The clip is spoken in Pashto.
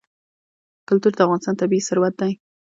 کلتور د افغانستان طبعي ثروت دی.